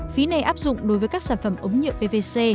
phí này áp dụng đối với các sản phẩm ống nhựa pvc